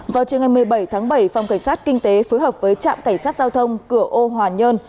vào trường ngày một mươi bảy tháng bảy phòng cảnh sát kinh tế phối hợp với trạm cảnh sát giao thông cửa ô hòa nhơn